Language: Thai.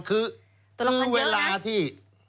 คือเวลาที่